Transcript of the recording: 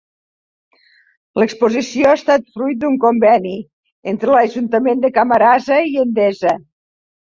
L'exposició ha estat fruit d'un conveni entre l'Ajuntament de Camarasa i Endesa.